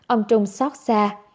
ông trung sót xa